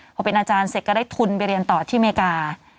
พอเป็นอาจารย์เสร็จก็ได้ทุนไปเรียนต่อที่อเมริกา